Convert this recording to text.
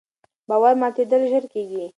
د باور ماتېدل ژر کېږي